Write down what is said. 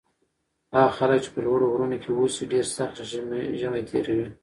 هغه خلک چې په لوړو غرونو کې اوسي ډېر سخت ژمی تېروي.